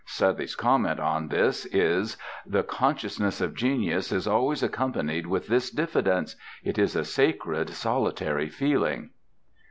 Southey's comment on this is "The consciousness of genius is always accompanied with this diffidence; it is a sacred, solitary feeling."